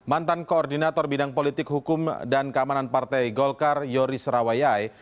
mantan koordinator bidang politik hukum dan keamanan partai golkar yoris rawayai